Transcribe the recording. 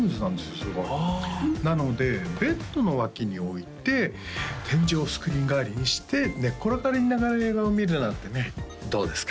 すごくなのでベッドの脇に置いて天井をスクリーン代わりにして寝っ転がりながら映画を見るなんてねどうですか？